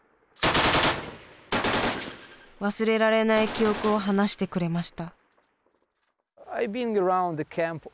忘れられない記憶を話してくれました。